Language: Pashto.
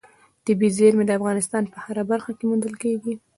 طبیعي زیرمې د افغانستان په هره برخه کې موندل کېږي.